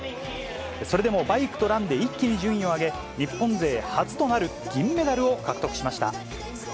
それでもバイクとランで一気に順位を上げ、日本勢初となる銀メダルを獲得しました。